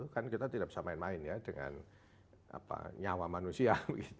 kan kita tidak bisa main main ya dengan nyawa manusia